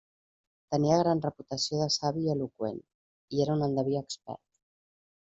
Tenia gran reputació de savi i eloqüent, i era un endeví expert.